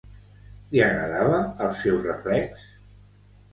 Li agradava el seu reflex?